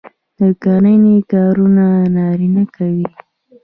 د کرنې کارونه نارینه کوي.